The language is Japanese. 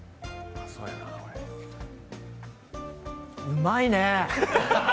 うまいね。